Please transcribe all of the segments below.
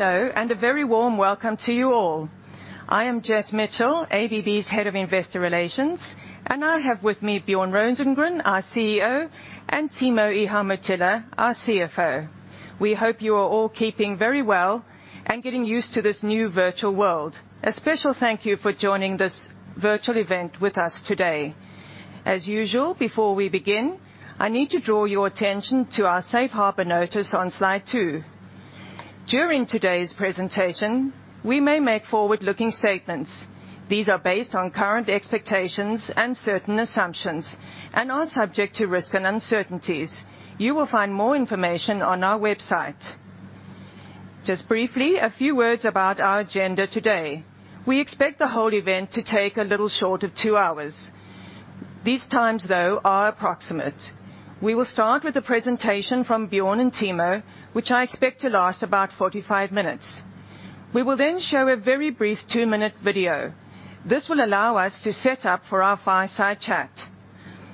Hello, a very warm welcome to you all. I am Jess Mitchell, ABB's Head of Investor Relations. I have with me Björn Rosengren, our CEO, and Timo Ihamuotila, our CFO. We hope you are all keeping very well and getting used to this new virtual world. A special thank you for joining this virtual event with us today. As usual, before we begin, I need to draw your attention to our safe harbor notice on slide two. During today's presentation, we may make forward-looking statements. These are based on current expectations and certain assumptions and are subject to risk and uncertainties. You will find more information on our website. Just briefly, a few words about our agenda today. We expect the whole event to take a little short of two hours. These times, though, are approximate. We will start with a presentation from Björn and Timo, which I expect to last about 45 minutes. We will then show a very brief two-minute video. This will allow us to set up for our fireside chat.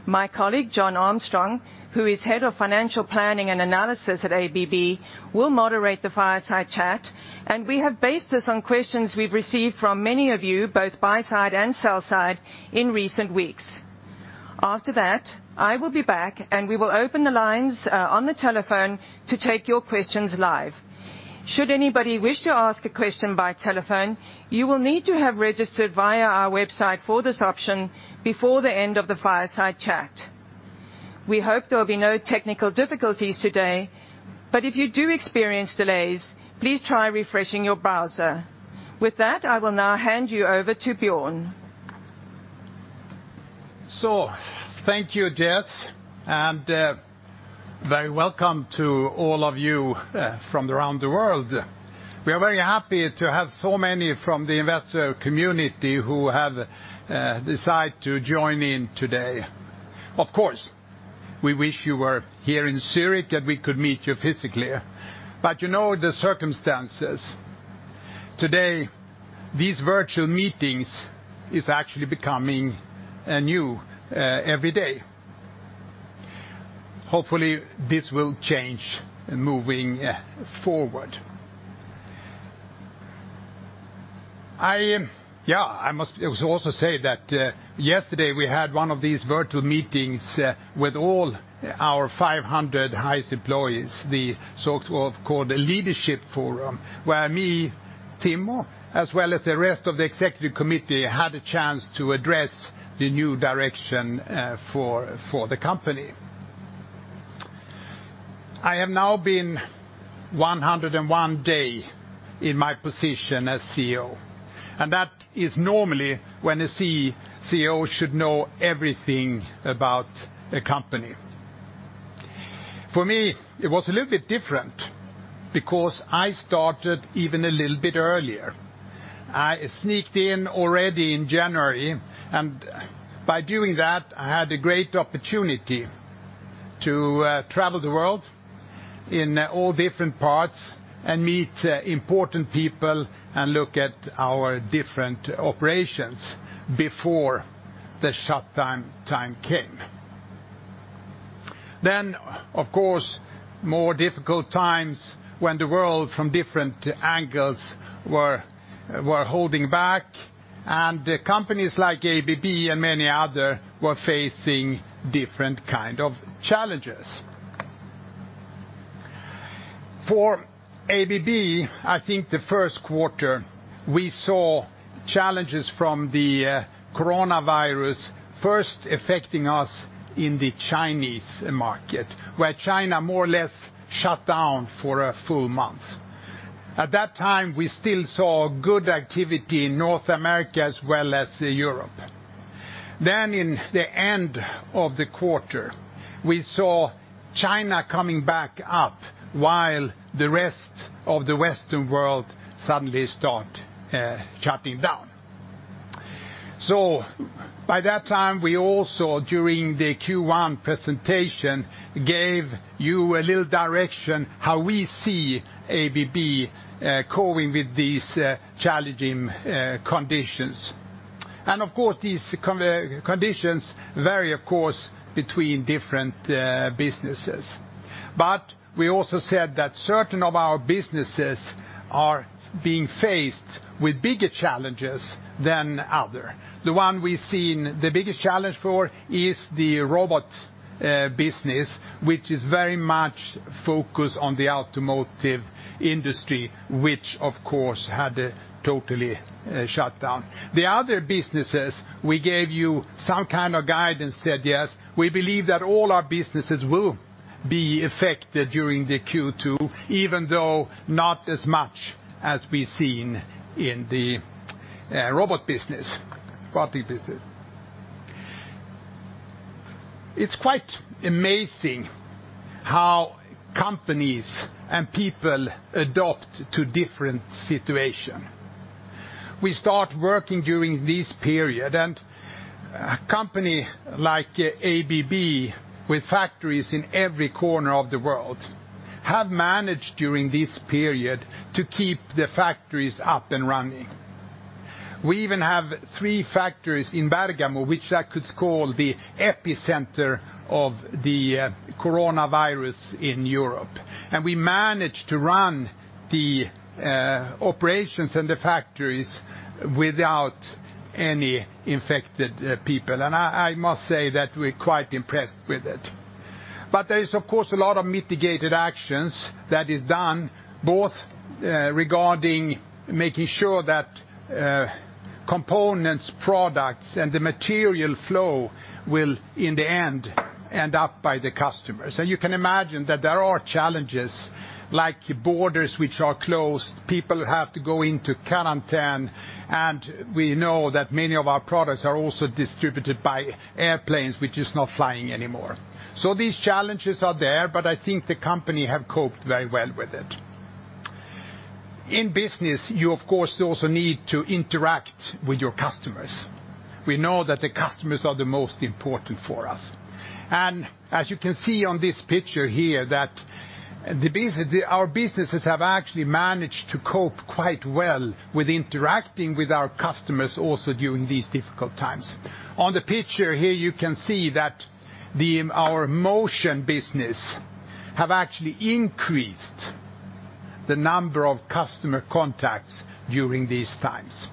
My colleague, John Armstrong, who is Head of Financial Planning and Analysis at ABB, will moderate the fireside chat, and we have based this on questions we've received from many of you, both buy side and sell side, in recent weeks. After that, I will be back, and we will open the lines on the telephone to take your questions live. Should anybody wish to ask a question by telephone, you will need to have registered via our our website for this option before the end of the fireside chat. We hope there will be no technical difficulties today, but if you do experience delays, please try refreshing your browser. With that, I will now hand you over to Björn. Thank you, Jess, and very welcome to all of you from around the world. We are very happy to have so many from the investor community who have decided to join in today. Of course, we wish you were here in Zurich, and we could meet you physically. You know the circumstances. Today, these virtual meetings is actually becoming new every day. Hopefully, this will change moving forward. I must also say that yesterday we had one of these virtual meetings with all our 500 highest employees, the so-called Leadership Forum, where me, Timo, as well as the rest of the executive committee, had a chance to address the new direction for the company. I have now been 101 day in my position as CEO, and that is normally when a CEO should know everything about a company. For me, it was a little bit different because I started even a little bit earlier. I sneaked in already in January, and by doing that, I had a great opportunity to travel the world in all different parts and meet important people and look at our different operations before the shutdown time came. Of course, more difficult times when the world from different angles were holding back, and companies like ABB and many others were facing different kind of challenges. For ABB, I think the first quarter, we saw challenges from the coronavirus first affecting us in the Chinese market, where China more or less shut down for a full month. At that time, we still saw good activity in North America as well as Europe. In the end of the quarter, we saw China coming back up while the rest of the Western world suddenly start shutting down. By that time, we also, during the Q1 presentation, gave you a little direction how we see ABB coping with these challenging conditions. Of course, these conditions vary, of course, between different businesses. We also said that certain of our businesses are being faced with bigger challenges than other. The one we've seen the biggest challenge for is the robot business, which is very much focused on the automotive industry, which, of course, had totally shut down. The other businesses we gave you some kind of guide and said, yes, we believe that all our businesses will be affected during the Q2, even though not as much as we've seen in the robot business, 40%. It's quite amazing how companies and people adapt to different situation. We start working during this period, a company like ABB, with factories in every corner of the world, have managed during this period to keep the factories up and running. We even have three factories in Bergamo, which I could call the epicenter of the coronavirus in Europe. We managed to run the operations and the factories without any infected people. I must say that we're quite impressed with it. There is, of course, a lot of mitigated actions that is done, both regarding making sure that components, products, and the material flow will, in the end up by the customers. You can imagine that there are challenges like borders which are closed, people have to go into quarantine, and we know that many of our products are also distributed by airplanes, which is not flying anymore. These challenges are there, but I think the company have coped very well with it. In business, you, of course, also need to interact with your customers. We know that the customers are the most important for us. As you can see on this picture here, that our businesses have actually managed to cope quite well with interacting with our customers also during these difficult times. On the picture here, you can see that our Motion business have actually increased the number of customer contacts during these times.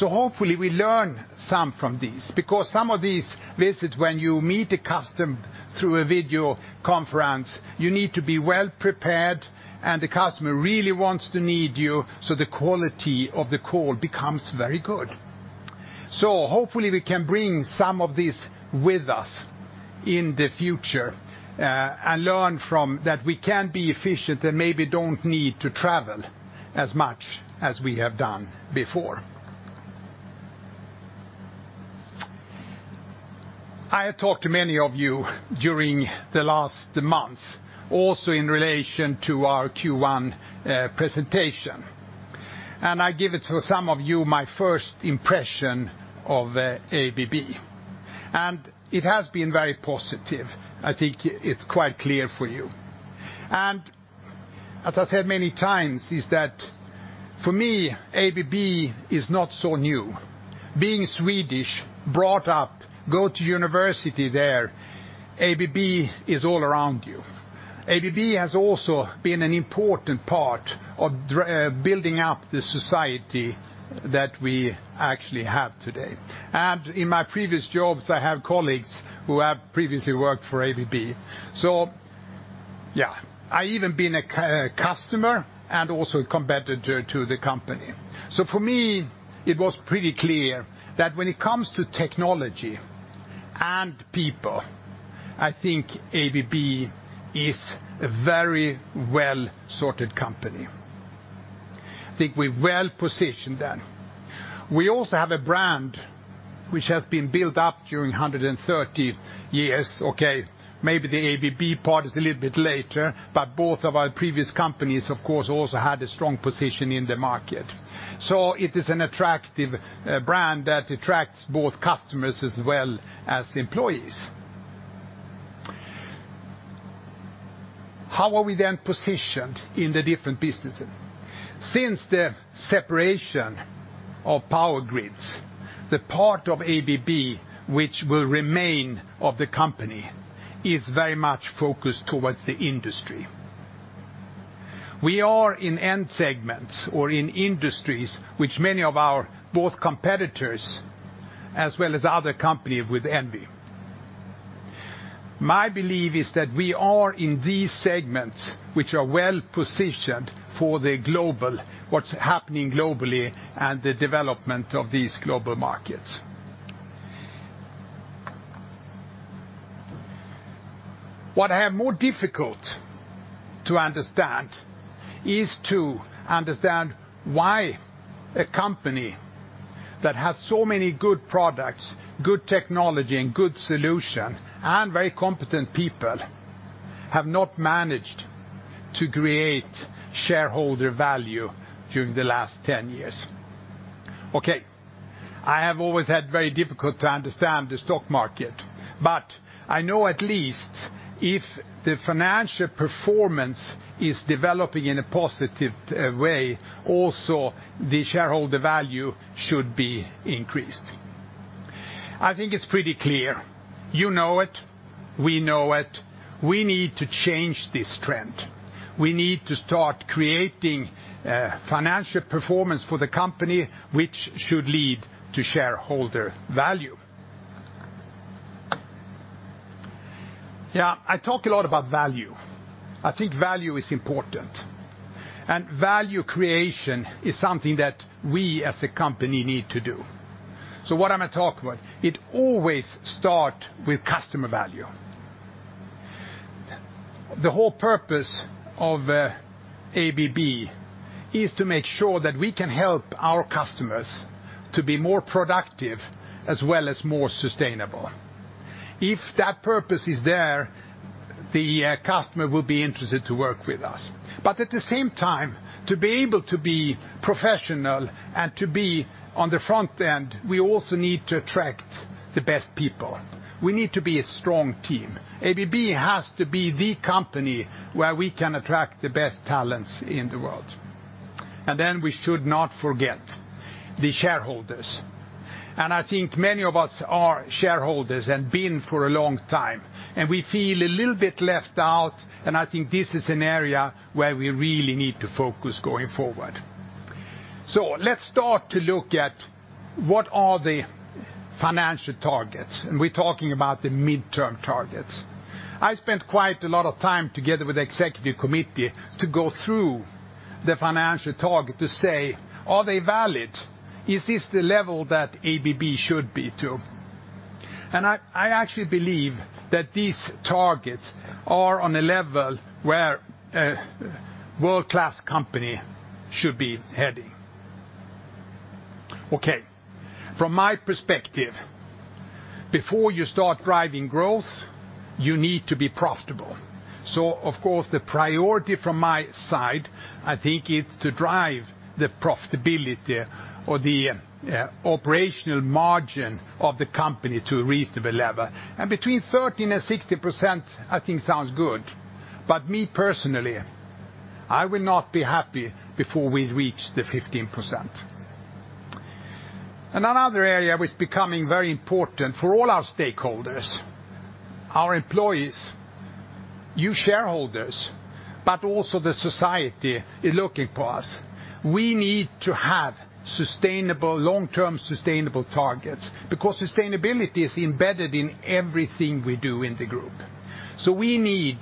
Hopefully we learn some from these, because some of these visits, when you meet a customer through a video conference, you need to be well prepared and the customer really wants to need you, so the quality of the call becomes very good. Hopefully we can bring some of this with us in the future, and learn from that we can be efficient and maybe don't need to travel as much as we have done before. I have talked to many of you during the last months, also in relation to our Q1 presentation. I give it to some of you my first impression of ABB. It has been very positive. I think it's quite clear for you. As I said many times, is that for me, ABB is not so new. Being Swedish, brought up, go to university there, ABB is all around you. ABB has also been an important part of building up the society that we actually have today. In my previous jobs, I have colleagues who have previously worked for ABB. Yeah, I even been a customer and also a competitor to the company. For me, it was pretty clear that when it comes to technology and people, I think ABB is a very well-sorted company. I think we're well-positioned then. We also have a brand which has been built up during 130 years. Okay, maybe the ABB part is a little bit later, but both of our previous companies, of course, also had a strong position in the market. It is an attractive brand that attracts both customers as well as employees. How are we then positioned in the different businesses? Since the separation of Power Grids, the part of ABB which will remain of the company is very much focused towards the industry. We are in end segments or in industries, which many of our both competitors as well as other company with envy. My belief is that we are in these segments, which are well-positioned for what's happening globally and the development of these global markets. What I have more difficult to understand is to understand why a company that has so many good products, good technology, and good solution, and very competent people, have not managed to create shareholder value during the last 10 years. Okay, I have always had very difficult to understand the stock market, but I know at least if the financial performance is developing in a positive way, also the shareholder value should be increased. I think it's pretty clear. You know it, we know it, we need to change this trend. We need to start creating financial performance for the company, which should lead to shareholder value. Yeah, I talk a lot about value. I think value is important. Value creation is something that we as a company need to do. What am I talking about? It always start with customer value. The whole purpose of ABB is to make sure that we can help our customers to be more productive as well as more sustainable. If that purpose is there, the customer will be interested to work with us. At the same time, to be able to be professional and to be on the front end, we also need to attract the best people. We need to be a strong team. ABB has to be the company where we can attract the best talents in the world. We should not forget the shareholders. I think many of us are shareholders and been for a long time, and we feel a little bit left out, and I think this is an area where we really need to focus going forward. Let's start to look at what are the financial targets. We're talking about the midterm targets. I spent quite a lot of time together with Executive Committee to go through the financial target to say, are they valid? Is this the level that ABB should be to? I actually believe that these targets are on a level where a world-class company should be heading. Okay. From my perspective, before you start driving growth, you need to be profitable. Of course, the priority from my side, I think, is to drive the profitability or the operational margin of the company to a reasonable level. Between 13% and 16%, I think sounds good. Me personally, I will not be happy before we reach the 15%. Another area, which is becoming very important for all our stakeholders, our employees, you shareholders, but also the society is looking for us. We need to have long-term sustainable targets because sustainability is embedded in everything we do in the group. We need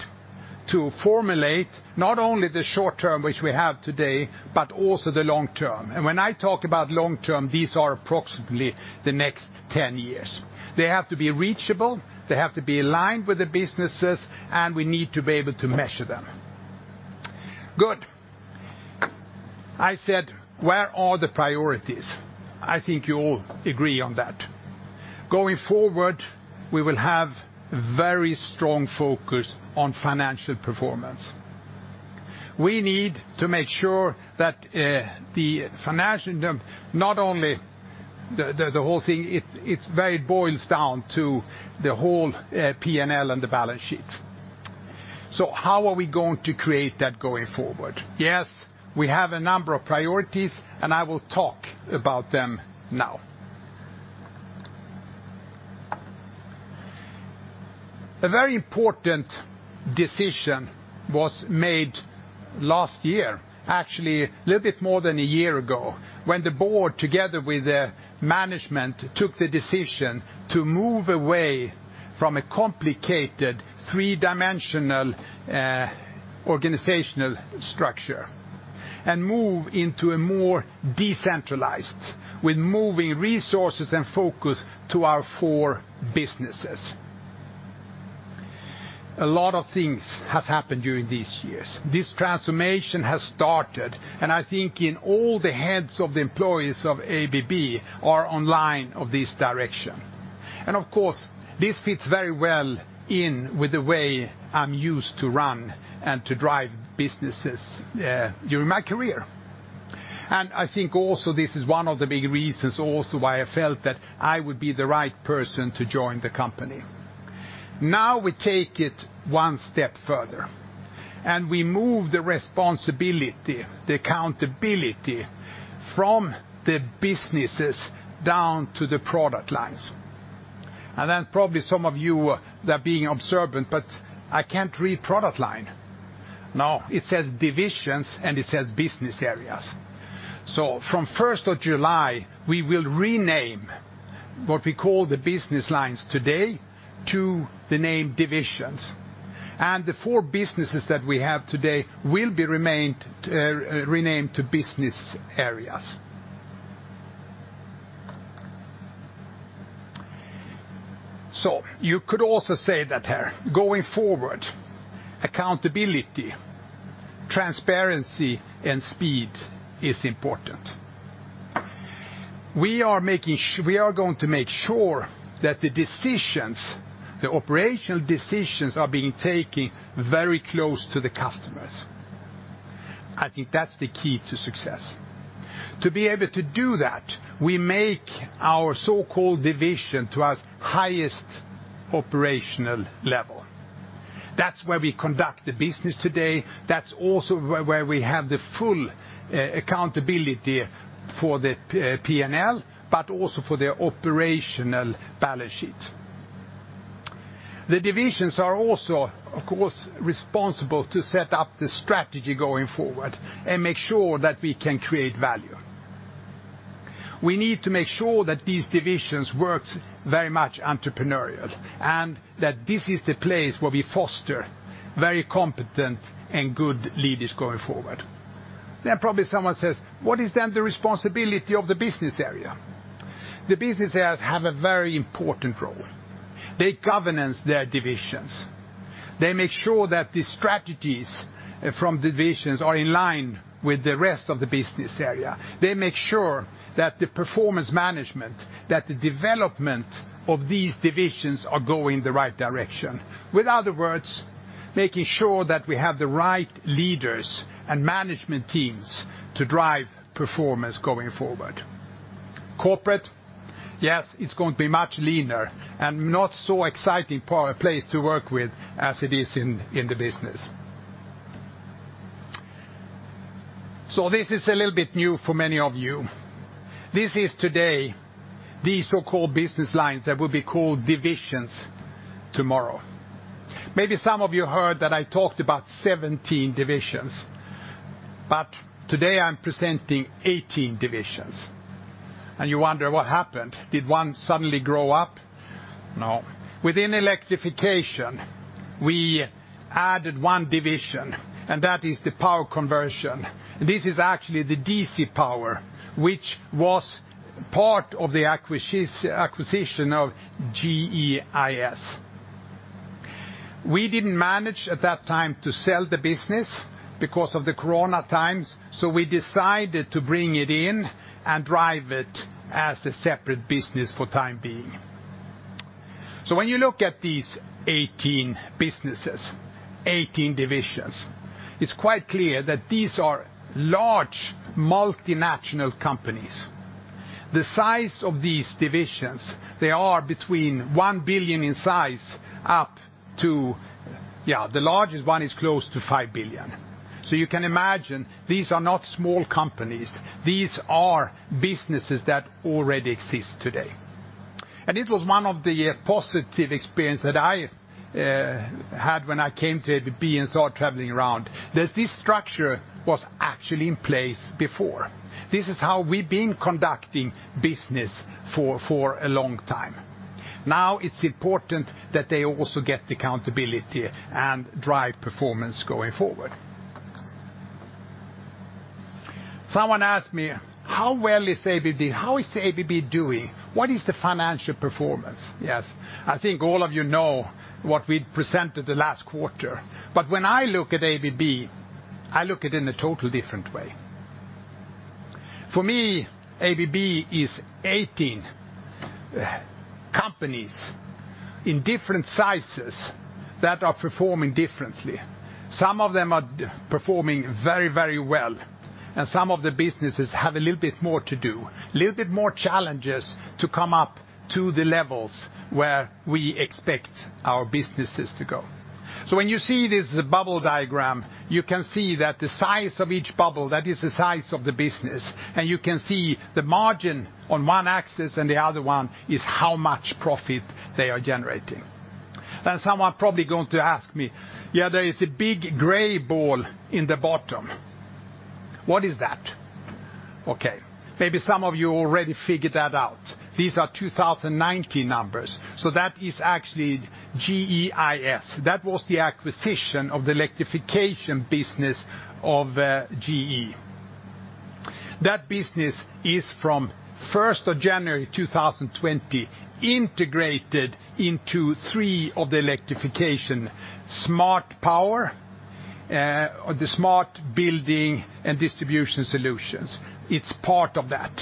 to formulate not only the short-term, which we have today, but also the long-term. When I talk about long-term, these are approximately the next 10 years. They have to be reachable, they have to be aligned with the businesses, and we need to be able to measure them. Good. I said, where are the priorities? I think you all agree on that. Going forward, we will have very strong focus on financial performance. We need to make sure that the financial, it boils down to the whole P&L and the balance sheet. How are we going to create that going forward? Yes, we have a number of priorities, and I will talk about them now. A very important decision was made last year, actually, a little bit more than a year ago, when the board, together with the management, took the decision to move away from a complicated three-dimensional organizational structure and move into a more decentralized, with moving resources and focus to our four businesses. A lot of things have happened during these years. This transformation has started, and I think in all the heads of the employees of ABB are online of this direction. Of course, this fits very well in with the way I'm used to run and to drive businesses during my career. I think also this is one of the big reasons also why I felt that I would be the right person to join the company. Now we take it one step further, and we move the responsibility, the accountability from the businesses down to the product lines. Then probably some of you are being observant, but I can't read product line. No, it says divisions, and it says business areas. From 1st of July, we will rename what we call the business lines today to the name divisions. The four businesses that we have today will be renamed to business areas. You could also say that here, going forward, accountability, transparency, and speed is important. We are going to make sure that the decisions, the operational decisions are being taken very close to the customers. I think that's the key to success. To be able to do that, we make our so-called division to our highest operational level. That's where we conduct the business today. That's also where we have the full accountability for the P&L, but also for their operational balance sheet. The divisions are also, of course, responsible to set up the strategy going forward and make sure that we can create value. We need to make sure that these divisions works very much entrepreneurial, and that this is the place where we foster very competent and good leaders going forward. Probably someone says, what is then the responsibility of the business area? The business areas have a very important role. They governance their divisions. They make sure that the strategies from divisions are in line with the rest of the business area. They make sure that the performance management, that the development of these divisions are going in the right direction. In other words, making sure that we have the right leaders and management teams to drive performance going forward. Corporate, yes, it's going to be much leaner and not so exciting place to work with as it is in the business. This is a little bit new for many of you. This is today, these so-called business lines that will be called divisions tomorrow. Maybe some of you heard that I talked about 17 divisions, today I'm presenting 18 divisions, and you wonder what happened. Did one suddenly grow up? No. Within Electrification, we added one division, that is the Power Conversion. This is actually the DC power, which was part of the acquisition of GEIS. We didn't manage, at that time, to sell the business because of the COVID times, so we decided to bring it in and drive it as a separate business for time being. When you look at these 18 businesses, 18 divisions, it's quite clear that these are large, multinational companies. The size of these divisions, they are between $1 billion in size up to, yeah, the largest one is close to $5 billion. You can imagine, these are not small companies. These are businesses that already exist today. It was one of the positive experience that I had when I came to ABB and started traveling around, that this structure was actually in place before. This is how we've been conducting business for a long time. It's important that they also get accountability and drive performance going forward. Someone asked me, how well is ABB? How is ABB doing? What is the financial performance? I think all of you know what we'd presented the last quarter. When I look at ABB, I look at it in a total different way. For me, ABB is 18 companies in different sizes that are performing differently. Some of them are performing very well, and some of the businesses have a little bit more to do, a little bit more challenges to come up to the levels where we expect our businesses to go. When you see this bubble diagram, you can see that the size of each bubble, that is the size of the business, and you can see the margin on one axis, and the other one is how much profit they are generating. Someone probably going to ask me, yeah, there is a big gray ball in the bottom. What is that? Okay. Maybe some of you already figured that out. These are 2019 numbers, that is actually GEIS. That was the acquisition of the electrification business of GE. That business is, from 1st of January 2020, integrated into three of the Electrification Smart Power, the Smart Buildings, and Distribution Solutions. It's part of that.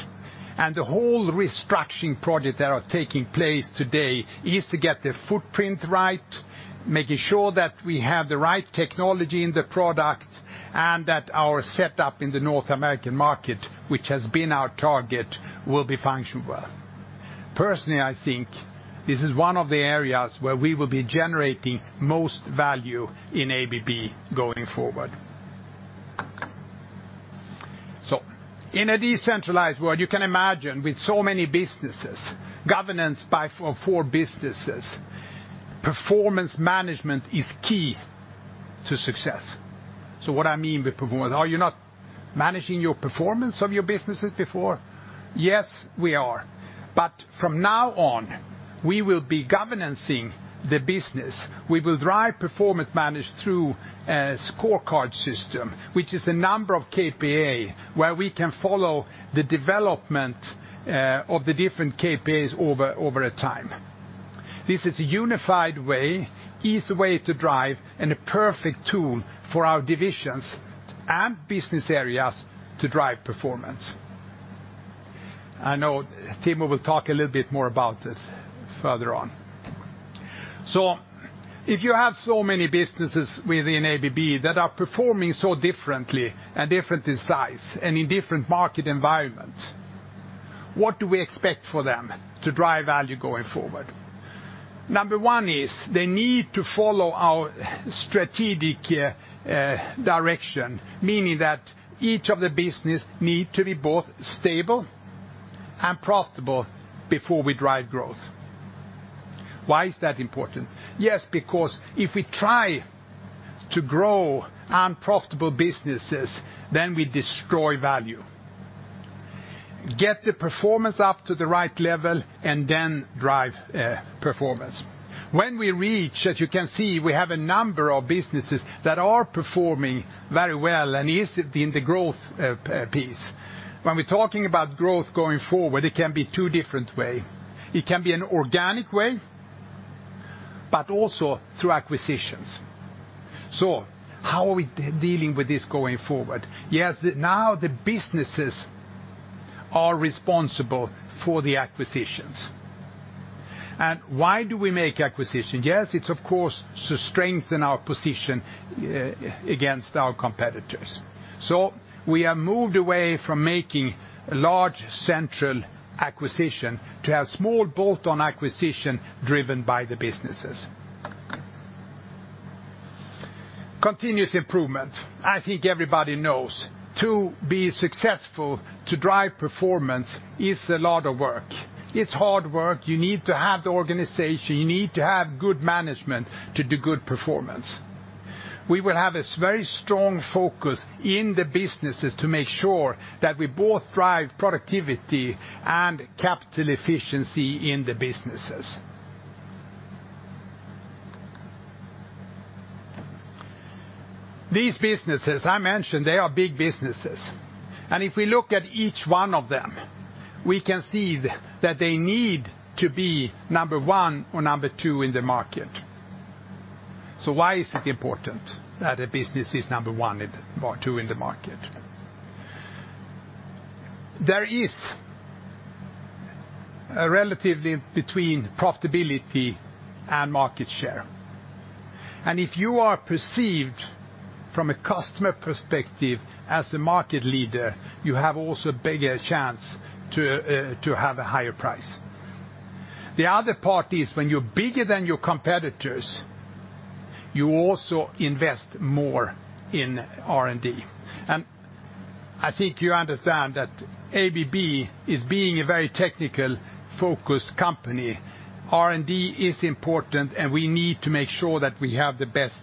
The whole restructuring project that are taking place today is to get the footprint right, making sure that we have the right technology in the product, and that our setup in the North American market, which has been our target, will be functioning well. Personally, I think this is one of the areas where we will be generating most value in ABB going forward. In a decentralized world, you can imagine, with so many businesses, governance by four businesses, performance management is key to success. What I mean by performance? Are you not managing your performance of your businesses before? Yes, we are. From now on, we will be governing the business. We will drive performance manage through a scorecard system, which is a number of KPIs, where we can follow the development of the different KPIs over a time. This is a unified way, easy way to drive, and a perfect tool for our divisions and business areas to drive performance. I know Timo will talk a little bit more about this further on. If you have so many businesses within ABB that are performing so differently and different in size and in different market environment, what do we expect for them to drive value going forward? Number one is they need to follow our strategic direction, meaning that each of the business need to be both stable and profitable before we drive growth. Why is that important? Yes, because if we try to grow unprofitable businesses, then we destroy value. Get the performance up to the right level and then drive performance. When we reach, as you can see, we have a number of businesses that are performing very well and easily in the growth piece. When we're talking about growth going forward, it can be two different way. It can be an organic way, but also through acquisitions. How are we dealing with this going forward? Yes, now the businesses are responsible for the acquisitions. Why do we make acquisition? Yes, it's of course to strengthen our position against our competitors. We have moved away from making large central acquisition to have small bolt-on acquisition driven by the businesses. Continuous improvement. I think everybody knows, to be successful, to drive performance, is a lot of work. It's hard work. You need to have the organization, you need to have good management to do good performance. We will have a very strong focus in the businesses to make sure that we both drive productivity and capital efficiency in the businesses. These businesses, I mentioned they are big businesses, and if we look at each one of them, we can see that they need to be number one or number two in the market. Why is it important that a business is number one or two in the market? There is a relative between profitability and market share, and if you are perceived from a customer perspective as the market leader, you have also a bigger chance to have a higher price. The other part is when you're bigger than your competitors, you also invest more in R&D. I think you understand that ABB is being a very technical-focused company. R&D is important, and we need to make sure that we have the best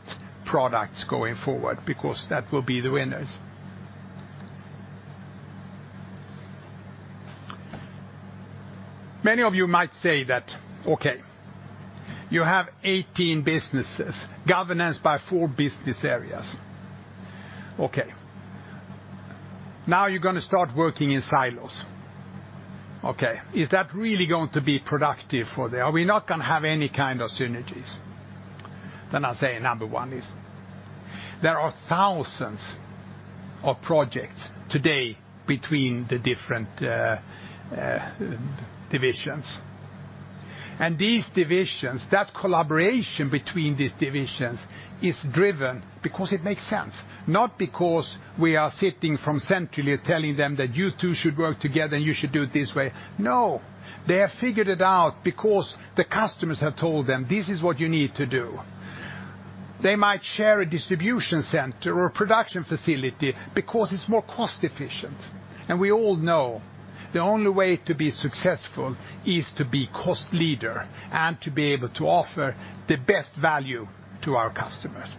products going forward, because that will be the winners. Many of you might say that, okay, you have 18 businesses, governance by four business areas. Okay. Now you're going to start working in silos. Okay. Is that really going to be productive for them? Are we not going to have any kind of synergies? I say number one is there are thousands of projects today between the different divisions. These divisions, that collaboration between these divisions is driven because it makes sense, not because we are sitting from centrally telling them that you two should work together and you should do it this way. No, they have figured it out because the customers have told them, this is what you need to do. They might share a distribution center or a production facility because it's more cost-efficient. We all know the only way to be successful is to be cost leader and to be able to offer the best value to our customers.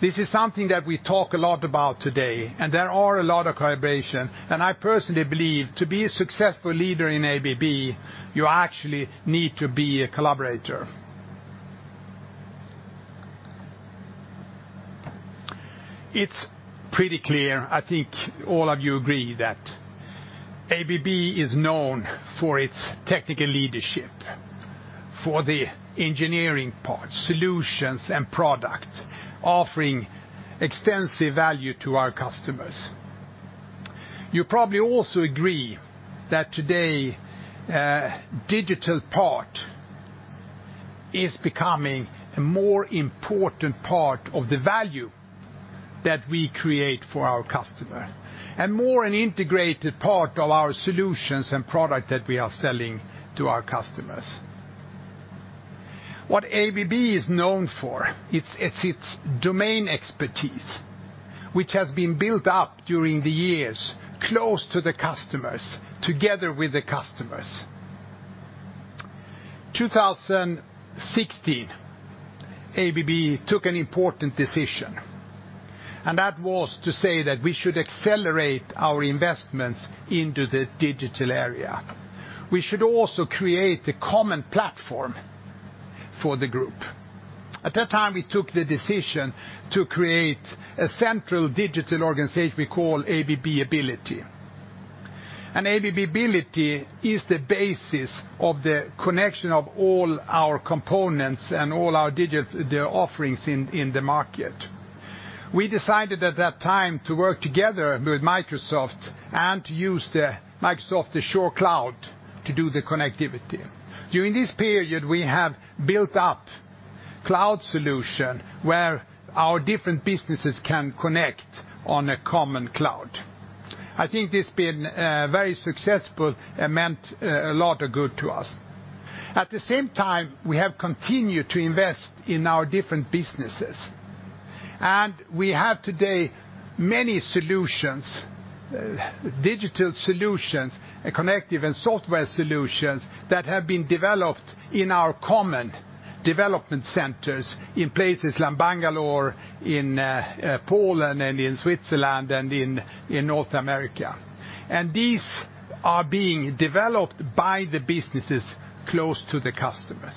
This is something that we talk a lot about today, and there are a lot of collaboration, and I personally believe to be a successful leader in ABB, you actually need to be a collaborator. It's pretty clear, I think all of you agree that ABB is known for its technical leadership, for the engineering part, solutions, and product, offering extensive value to our customers. You probably also agree that today, digital part is becoming a more important part of the value that we create for our customer. More an integrated part of our solutions and product that we are selling to our customers. What ABB is known for, it's its domain expertise, which has been built up during the years close to the customers, together with the customers. 2016, ABB took an important decision, and that was to say that we should accelerate our investments into the digital area. We should also create a common platform for the group. At that time, we took the decision to create a central digital organization we call ABB Ability. ABB Ability is the basis of the connection of all our components and all our digital offerings in the market. We decided at that time to work together with Microsoft and to use the Microsoft Azure Cloud to do the connectivity. During this period, we have built up cloud solution where our different businesses can connect on a common cloud. I think it's been very successful and meant a lot of good to us. At the same time, we have continued to invest in our different businesses, and we have today many solutions, digital solutions, connective and software solutions that have been developed in our common development centers in places like Bangalore, in Poland, and in Switzerland, and in North America. These are being developed by the businesses close to the customers.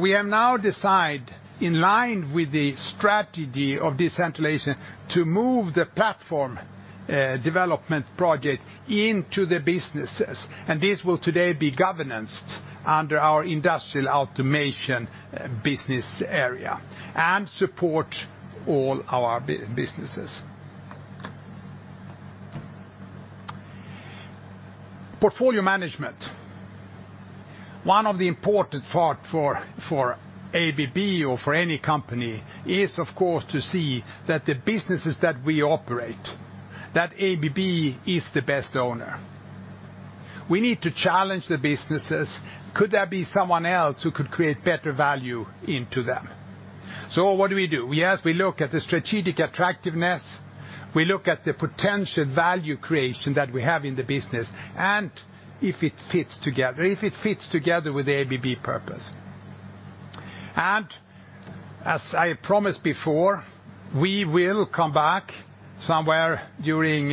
We have now decided, in line with the strategy of decentralization, to move the platform development project into the businesses. This will today be governed under our Industrial Automation business area and support all our businesses. Portfolio management. One of the important parts for ABB or for any company is, of course, to see that the businesses that we operate, that ABB is the best owner. We need to challenge the businesses. Could there be someone else who could create better value into them? What do we do? We look at the strategic attractiveness, we look at the potential value creation that we have in the business, and if it fits together with the ABB purpose. As I promised before, we will come back somewhere during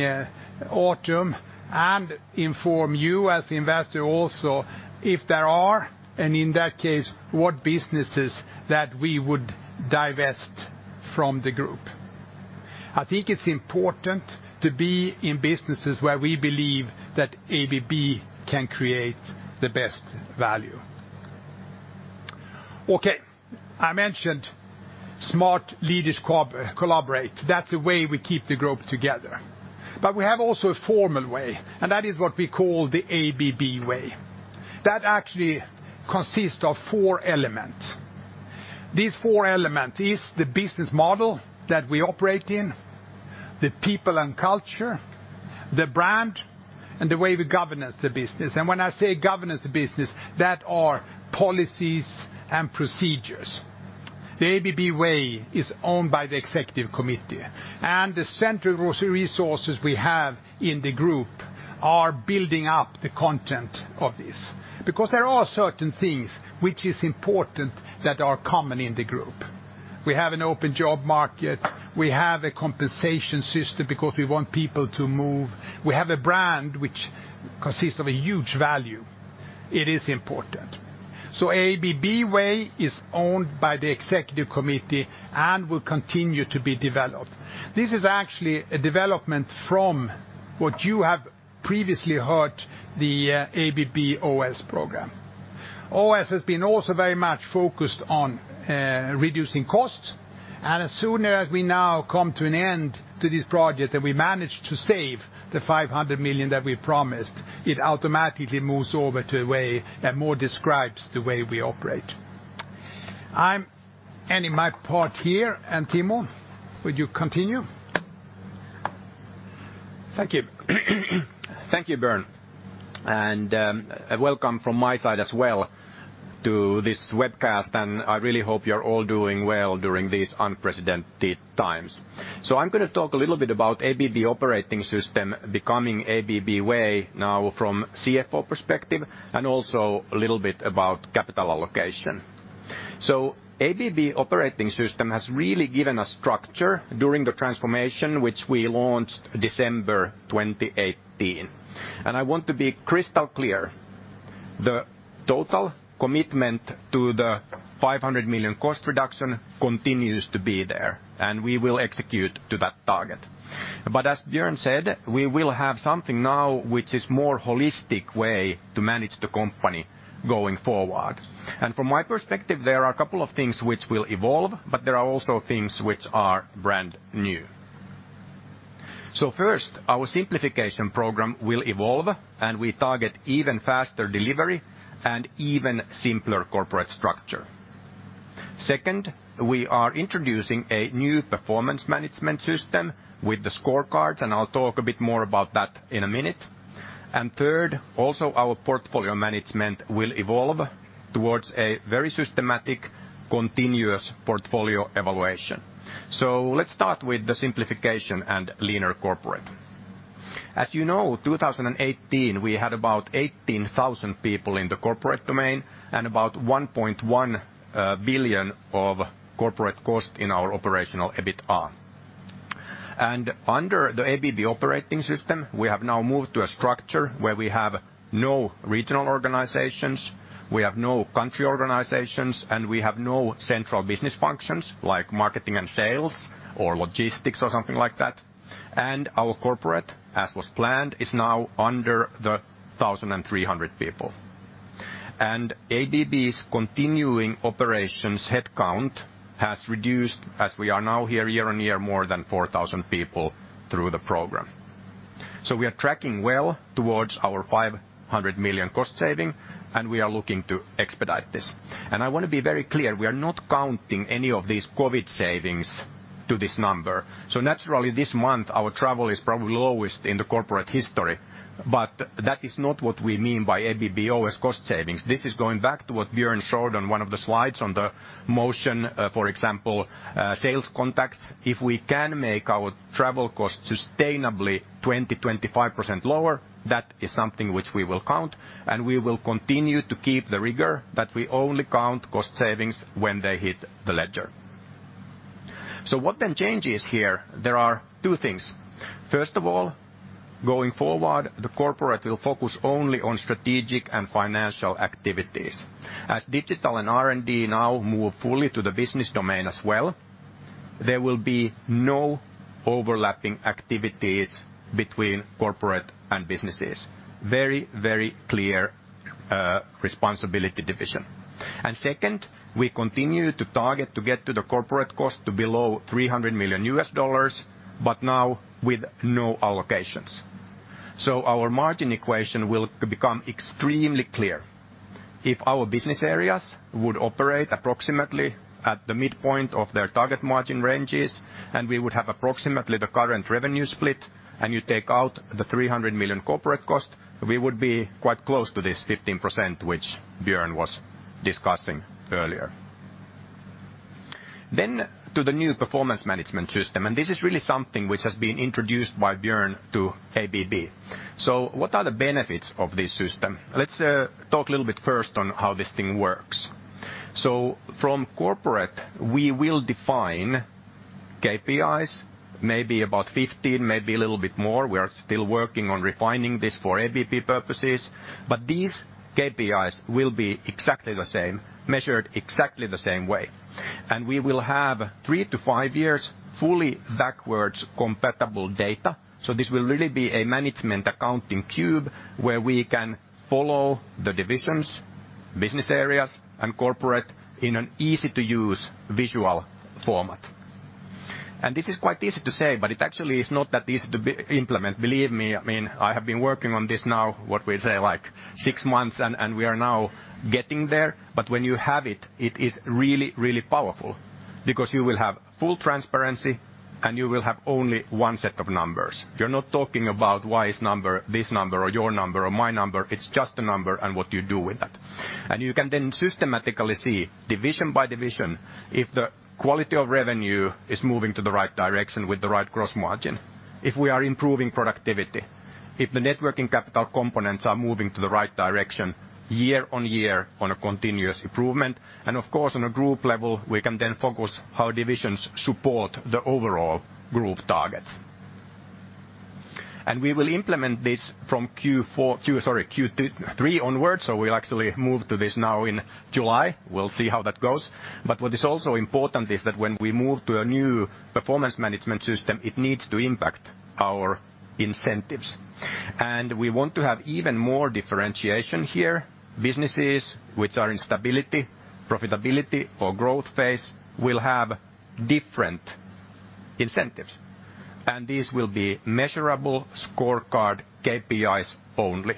autumn and inform you as the investor also if there are, and in that case, what businesses that we would divest from the group. I think it's important to be in businesses where we believe that ABB can create the best value. Okay. I mentioned smart leaders collaborate. That's the way we keep the group together. We have also a formal way, and that is what we call the ABB Way. That actually consists of four elements. These four elements is the business model that we operate in, the people and culture, the brand, and the way we governance the business. When I say governance the business, that are policies and procedures. The ABB Way is owned by the executive committee, and the central resources we have in the group are building up the content of this. There are certain things which are important that are common in the group. We have an open job market. We have a compensation system because we want people to move. We have a brand which consists of a huge value. It is important. ABB Way is owned by the executive committee and will continue to be developed. This is actually a development from what you have previously heard, the ABB OS program. OS has been also very much focused on reducing costs, and as soon as we now come to an end to this project, and we managed to save the $500 million that we promised, it automatically moves over to a way that more describes the way we operate. I am ending my part here. Timo, would you continue? Thank you. Thank you, Björn. Welcome from my side as well to this webcast, and I really hope you're all doing well during these unprecedented times. I'm going to talk a little bit about ABB Operating System becoming ABB Way now from CFO perspective, and also a little bit about capital allocation. ABB Operating System has really given a structure during the transformation which we launched December 2018. I want to be crystal clear, the total commitment to the $500 million cost reduction continues to be there, and we will execute to that target. As Björn said, we will have something now which is more holistic way to manage the company going forward. From my perspective, there are a couple of things which will evolve, but there are also things which are brand new. First, our simplification program will evolve, and we target even faster delivery and even simpler corporate structure. Second, we are introducing a new performance management system with the scorecards, and I'll talk a bit more about that in a minute. Third, also our portfolio management will evolve towards a very systematic, continuous portfolio evaluation. Let's start with the simplification and leaner corporate. As you know, 2018, we had about 18,000 people in the corporate domain, and about $1.1 billion of corporate cost in our Operational EBITA. Under the ABB Operating System, we have now moved to a structure where we have no regional organizations, we have no country organizations, and we have no central business functions like marketing and sales or logistics or something like that. Our corporate, as was planned, is now under the 1,300 people. ABB's continuing operations headcount has reduced as we are now here year on year more than 4,000 people through the program. We are tracking well towards our $500 million cost saving, and we are looking to expedite this. I want to be very clear, we are not counting any of these COVID savings to this number. Naturally, this month, our travel is probably lowest in the corporate history, but that is not what we mean by ABB OS cost savings. This is going back to what Björn showed on one of the slides on the Motion, for example, sales contacts. If we can make our travel costs sustainably 20%-25% lower, that is something which we will count, and we will continue to keep the rigor that we only count cost savings when they hit the ledger. What then changes here? There are two things. First of all, going forward, the corporate will focus only on strategic and financial activities. As digital and R&D now move fully to the business domain as well, there will be no overlapping activities between corporate and businesses. Very clear responsibility division. Second, we continue to target to get to the corporate cost to below $300 million, but now with no allocations. Our margin equation will become extremely clear. If our business areas would operate approximately at the midpoint of their target margin ranges, and we would have approximately the current revenue split, and you take out the $300 million corporate cost, we would be quite close to this 15%, which Björn was discussing earlier. To the new performance management system, this is really something which has been introduced by Björn to ABB. What are the benefits of this system? Let's talk a little bit first on how this thing works. From corporate, we will define KPIs, maybe about 15, maybe a little bit more. We are still working on refining this for ABB purposes. These KPIs will be exactly the same, measured exactly the same way. We will have three to five years fully backwards-compatible data. This will really be a management accounting cube where we can follow the divisions, business areas, and corporate in an easy-to-use visual format. This is quite easy to say, but it actually is not that easy to implement. Believe me, I have been working on this now, what we say, six months, and we are now getting there. When you have it is really, really powerful because you will have full transparency, and you will have only one set of numbers. You're not talking about y's number, this number, or your number, or my number. It's just a number and what you do with that. You can then systematically see, division by division, if the quality of revenue is moving to the right direction with the right gross margin, if we are improving productivity, if the networking capital components are moving to the right direction year on year on a continuous improvement, and of course, on a group level, we can then focus how divisions support the overall group targets. We will implement this from Q3 onwards, so we'll actually move to this now in July. We'll see how that goes. What is also important is that when we move to a new performance management system, it needs to impact our incentives. We want to have even more differentiation here. Businesses which are in stability, profitability, or growth phase will have different incentives. These will be measurable scorecard KPIs only.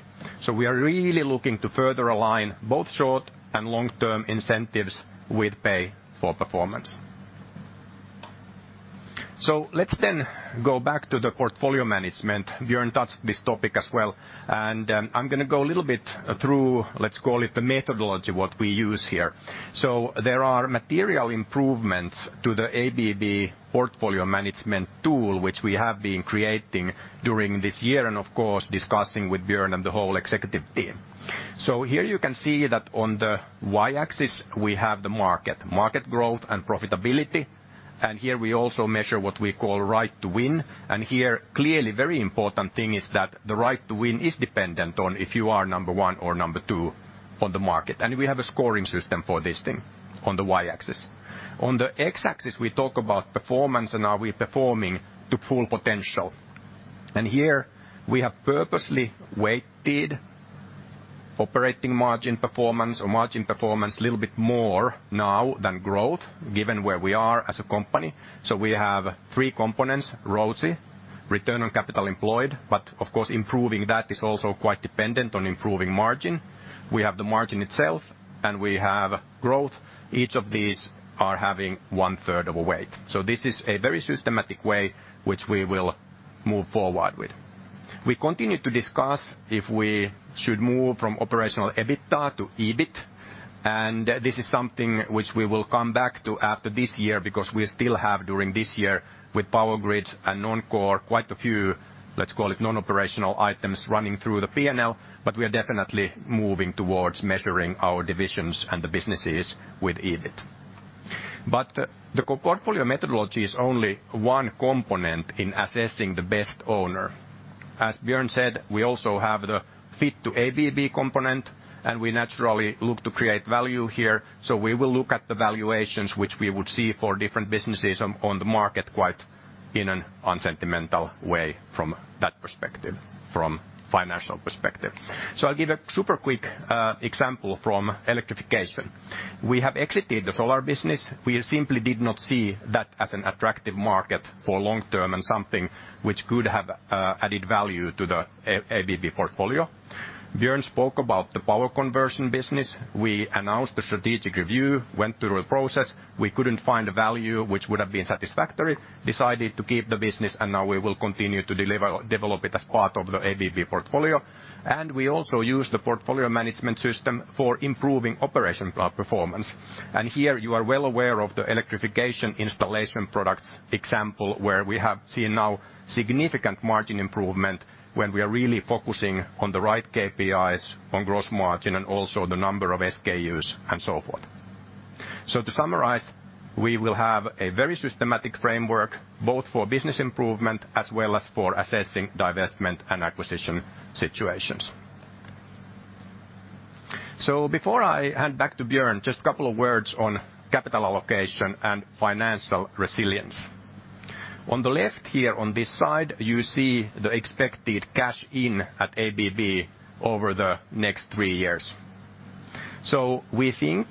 We are really looking to further align both short and long-term incentives with pay for performance. Let's go back to the portfolio management. Björn touched this topic as well. I'm going to go a little bit through, let's call it, the methodology, what we use here. There are material improvements to the ABB portfolio management tool, which we have been creating during this year. Of course, discussing with Björn and the whole executive team. Here you can see that on the y-axis, we have the market growth and profitability. Here we also measure what we call right to win. Here, clearly, very important thing is that the right to win is dependent on if you are number one or number two on the market. We have a scoring system for this thing on the y-axis. On the x-axis, we talk about performance and are we performing to full potential. Here we have purposely weighted operating margin performance or margin performance a little bit more now than growth, given where we are as a company. We have three components, ROSI, return on capital employed, but of course, improving that is also quite dependent on improving margin. We have the margin itself, and we have growth. Each of these are having one-third of a weight. This is a very systematic way which we will move forward with. We continue to discuss if we should move from Operational EBITA to EBIT, and this is something which we will come back to after this year because we still have, during this year, with Power Grids and non-core, quite a few, let's call it non-operational items running through the P&L, but we are definitely moving towards measuring our divisions and the businesses with EBIT. The portfolio methodology is only one component in assessing the best owner. As Björn said, we also have the fit to ABB component, and we naturally look to create value here. We will look at the valuations which we would see for different businesses on the market quite in an unsentimental way from that perspective, from financial perspective. I'll give a super quick example from Electrification. We have exited the solar business. We simply did not see that as an attractive market for long term and something which could have added value to the ABB portfolio. Björn spoke about the Power Conversion business. We announced the strategic review, went through a process. We couldn't find a value which would have been satisfactory, decided to keep the business. Now we will continue to develop it as part of the ABB portfolio. We also use the portfolio management system for improving operational performance. Here you are well aware of the Electrification Installation Products example, where we have seen now significant margin improvement when we are really focusing on the right KPIs on gross margin and also the number of SKUs and so forth. To summarize, we will have a very systematic framework, both for business improvement as well as for assessing divestment and acquisition situations. Before I hand back to Björn, just a couple of words on capital allocation and financial resilience. On the left here on this side, you see the expected cash in at ABB over the next three years. We think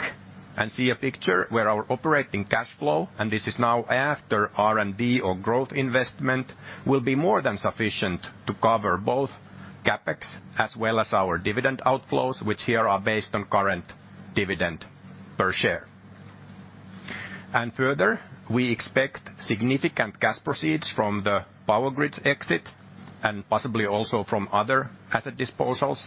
and see a picture where our operating cash flow, and this is now after R&D or growth investment, will be more than sufficient to cover both CapEx as well as our dividend outflows, which here are based on current dividend per share. Further, we expect significant cash proceeds from the Power Grids exit and possibly also from other asset disposals.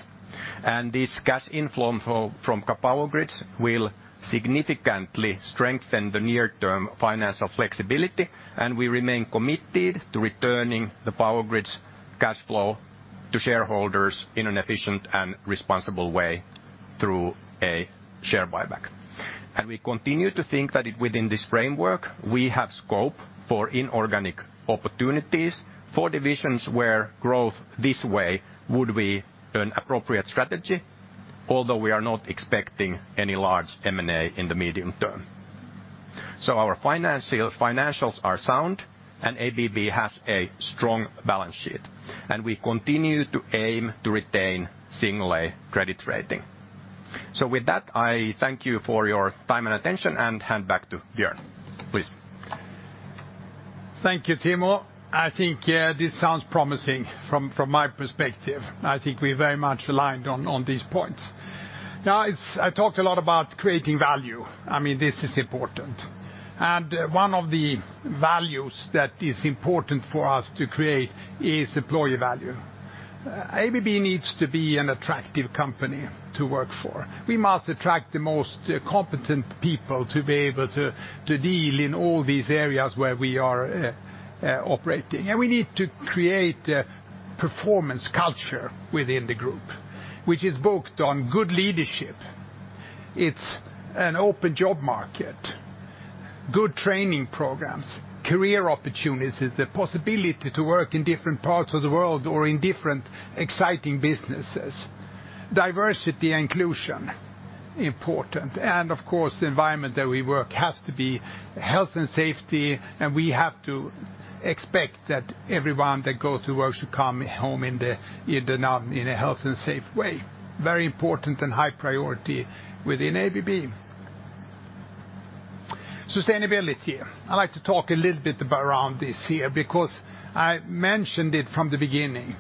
This cash inflow from Power Grids will significantly strengthen the near-term financial flexibility. We remain committed to returning the Power Grids cash flow to shareholders in an efficient and responsible way through a share buyback. We continue to think that within this framework, we have scope for inorganic opportunities, for divisions where growth this way would be an appropriate strategy. Although we are not expecting any large M&A in the medium term. Our financials are sound and ABB has a strong balance sheet, and we continue to aim to retain single A credit rating. With that, I thank you for your time and attention, and hand back to Björn, please. Thank you, Timo. I think, yeah, this sounds promising from my perspective. I think we very much aligned on these points. I talked a lot about creating value. This is important. One of the values that is important for us to create is employee value. ABB needs to be an attractive company to work for. We must attract the most competent people to be able to deal in all these areas where we are operating. We need to create a performance culture within the group, which is built on good leadership. It's an open job market, good training programs, career opportunities, the possibility to work in different parts of the world or in different exciting businesses. Diversity and inclusion, important. Of course, the environment that we work has to be health and safety, and we have to expect that everyone that go to work should come home in a health and safe way. Very important and high priority within ABB. Sustainability. I'd like to talk a little bit around this here, because I mentioned it from the beginning.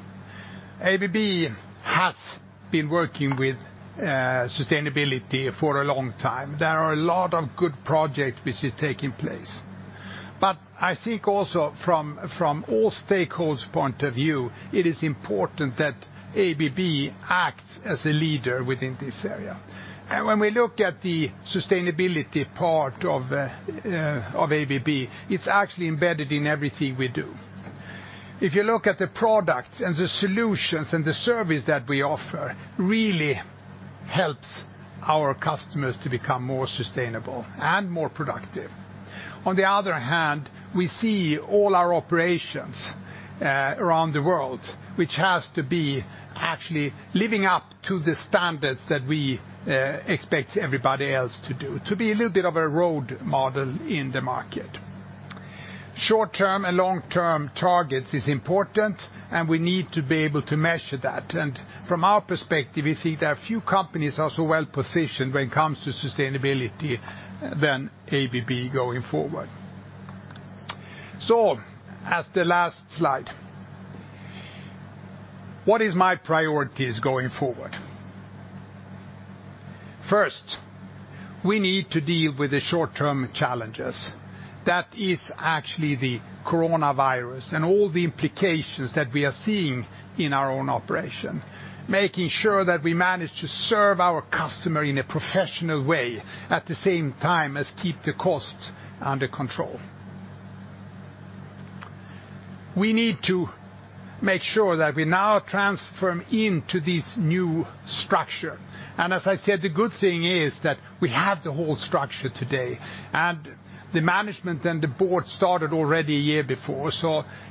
ABB has been working with sustainability for a long time. There are a lot of good project which is taking place. I think also from all stakeholders' point of view, it is important that ABB acts as a leader within this area. When we look at the sustainability part of ABB, it's actually embedded in everything we do. If you look at the product and the solutions and the service that we offer, really helps our customers to become more sustainable and more productive. On the other hand, we see all our operations around the world, which has to be actually living up to the standards that we expect everybody else to do, to be a little bit of a role model in the market. Short-term and long-term targets is important. We need to be able to measure that. From our perspective, we see there are few companies also well-positioned when it comes to sustainability than ABB going forward. As the last slide. What is my priorities going forward? First, we need to deal with the short-term challenges. That is actually the coronavirus and all the implications that we are seeing in our own operation. Making sure that we manage to serve our customer in a professional way, at the same time as keep the costs under control. We need to make sure that we now transform into this new structure. As I said, the good thing is that we have the whole structure today, and the management and the board started already a year before.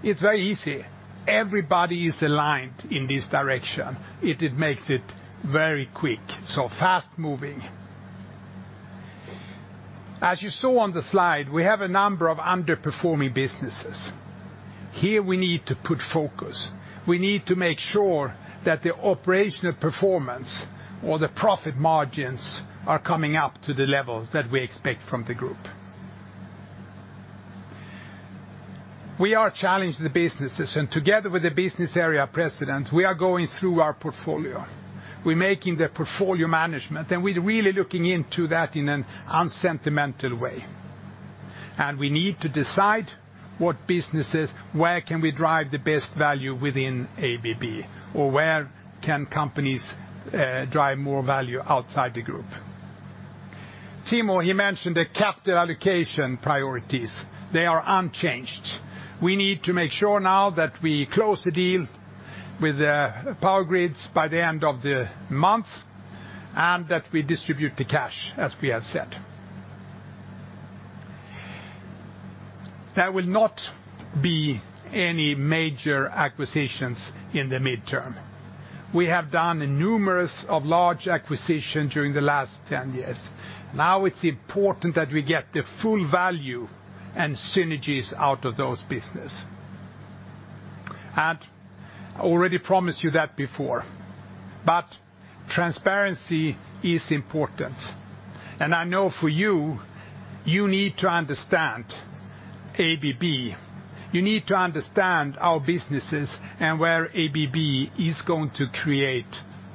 It's very easy. Everybody is aligned in this direction. It makes it very quick, so fast-moving. As you saw on the slide, we have a number of underperforming businesses. Here we need to put focus. We need to make sure that the operational performance or the profit margins are coming up to the levels that we expect from the group. We are challenged the businesses, and together with the business area presidents, we are going through our portfolio. We're making the portfolio management, and we're really looking into that in an unsentimental way. We need to decide what businesses, where can we drive the best value within ABB, or where can companies drive more value outside the group. Timo, he mentioned the capital allocation priorities. They are unchanged. We need to make sure now that we close the deal with Power Grids by the end of the month, and that we distribute the cash as we have said. There will not be any major acquisitions in the midterm. We have done numerous of large acquisition during the last 10 years. It's important that we get the full value and synergies out of those business. I already promised you that before, but transparency is important. I know for you need to understand ABB. You need to understand our businesses and where ABB is going to create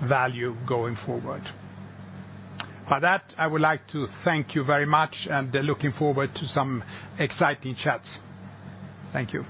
value going forward. By that, I would like to thank you very much, and looking forward to some exciting chats. Thank you.